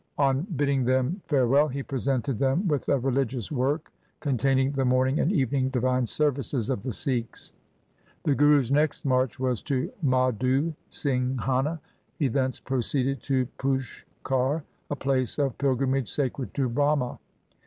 On bidding them fare well he presented them with a religious work con taining the morning and evening divine services of the Sikhs. The Guru's next march was to Madhu Singh ana. He thence proceeded to Pushkar, a place of pil grimage sacred to Brahma.